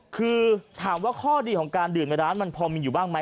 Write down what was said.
คือถามว่าข้อดีของการดื่มในร้านมันพอมีอยู่บ้างไหม